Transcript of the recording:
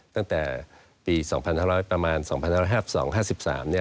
ตั้งแต่ปีประมาณ๒๕๐๐๒๕๐๐นี่